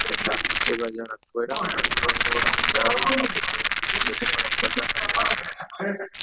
Ogajarakuéra ogueropojái chupekuéra sopa paraguaya ha clericó